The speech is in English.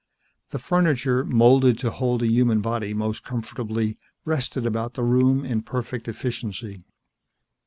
The furniture, molded to hold a human body most comfortably, rested about the room in perfect efficiency.